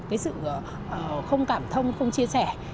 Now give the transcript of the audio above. cái sự không cảm thông không chia sẻ